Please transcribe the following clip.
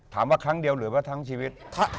ครั้งเดียวหรือว่าทั้งชีวิต